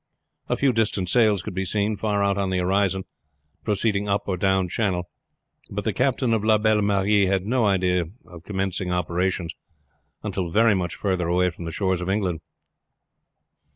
A few distant sails could be seen far out on the horizon proceeding up or down channel; but the captain of La Belle Marie had no idea of commencing operations until very much further away from the shores of England.